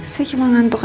saya cuma ngantuk aja